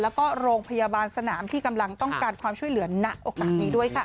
แล้วก็โรงพยาบาลสนามที่กำลังต้องการความช่วยเหลือณโอกาสนี้ด้วยค่ะ